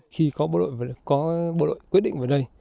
khi có bộ đội quyết định vào đây